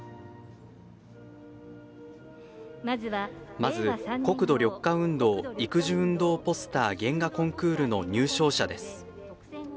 まず「国土緑化運動・育樹運動ポスター原画コンクール」の入賞者です。